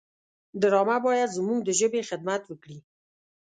ډرامه باید زموږ د ژبې خدمت وکړي